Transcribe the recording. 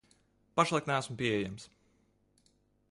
Pašlaik neesmu pieejams.